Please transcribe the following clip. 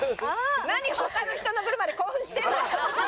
何他の人のブルマに興奮してるのよ！